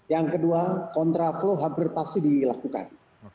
yang kedua kontra flow hampir pasti dilakukan